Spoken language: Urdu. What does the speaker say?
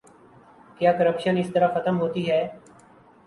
کیا کرپشن اس طرح ختم ہوتی ہے؟